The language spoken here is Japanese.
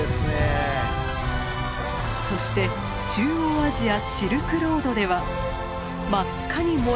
そして中央アジアシルクロードでは真っ赤に燃え上がる大地に。